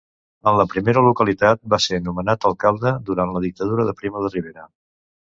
En la primera localitat va ser nomenat alcalde durant la Dictadura de Primo de Rivera.